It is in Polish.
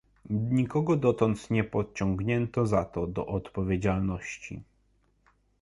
Nikogo dotąd nie pociągnięto za to do odpowiedzialności